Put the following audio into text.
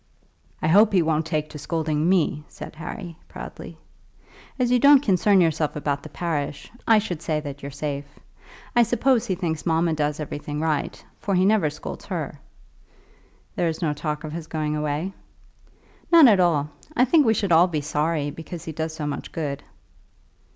"I hope he won't take to scolding me," said Harry, proudly. "As you don't concern yourself about the parish, I should say that you're safe. I suppose he thinks mamma does everything right, for he never scolds her." "There is no talk of his going away." "None at all. I think we should all be sorry, because he does so much good."